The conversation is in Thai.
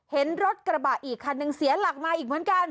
เห็นรถกระบะอีกคันหนึ่งเสียหลักมาอีกเหมือนกัน